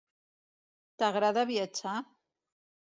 T'agrada viatjar?